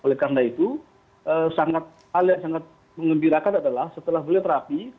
oleh karena itu hal yang sangat mengembirakan adalah setelah beliau terapi